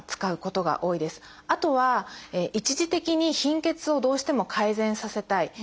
あとは一時的に貧血をどうしても改善させたい。